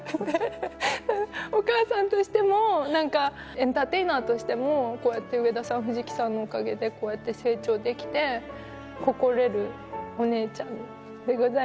お母さんとしてもエンターテイナーとしてもこうやって上田さん藤木さんのおかげでこうやって成長できて誇れるお姉ちゃんでございます。